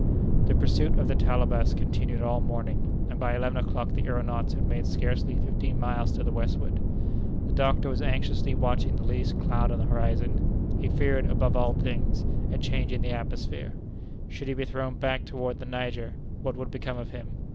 The pursuit of the Talabas continued all morning; and by eleven o'clock the aëronauts had made scarcely fifteen miles to the westward. The doctor was anxiously watching for the least cloud on the horizon. He feared, above all things, a change in the atmosphere. Should he be thrown back toward the Niger, what would become of him?